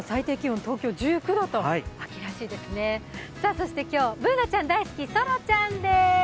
そして今日、Ｂｏｏｎａちゃん大好き、さらちゃんです。